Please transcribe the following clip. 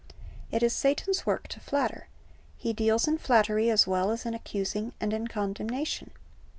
It is Satan's work to flatter. He deals in flattery as well as in accusing and condemnation.